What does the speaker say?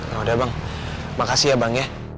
yaudah bang makasih ya bang ya